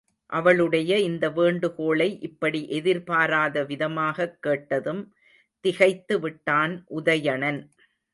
அவளுடைய இந்த வேண்டுகோளை இப்படி எதிர்பாராத விதமாகக் கேட்டதும் திகைத்து விட்டான் உதயணன்.